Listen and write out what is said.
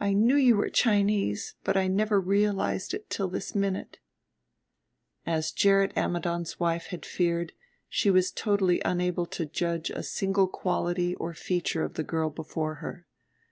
"I knew you were Chinese, but I never realized it till this minute." As Gerrit Ammidon's wife had feared she was totally unable to judge a single quality or feature of the girl before her.